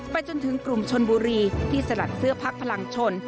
จนถึงกลุ่มชนบุรีที่สลัดเสื้อพักพลังชน